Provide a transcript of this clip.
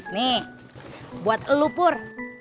nih buat elu pur